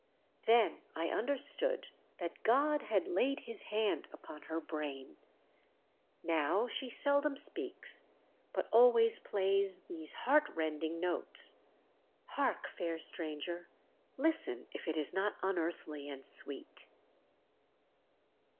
"Then I understood that God had laid His hand upon her brain. Now she seldom speaks, but always plays these heartrending notes. Hark, fair stranger, listen if it is not unearthly and sweet."